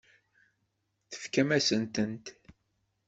Tefkamt-asent-tent.